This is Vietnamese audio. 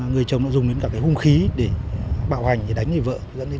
người chồng đã dùng đến cả cái hung khí để bạo hành để đánh người vợ